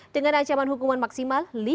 dengan ancaman hukuman maksimal